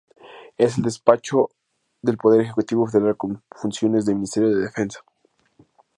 Es el despacho del poder ejecutivo federal con funciones de Ministerio de Defensa.